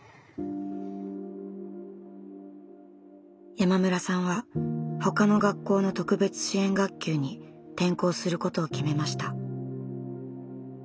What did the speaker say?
山村さんはほかの学校の特別支援学級に転校することを決めました。